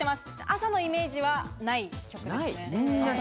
朝のイメージはない曲ですね。